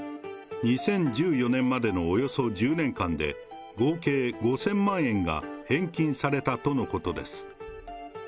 ２０１４年までのおよそ１０年間で、合計５０００万円が返金されたとのことです。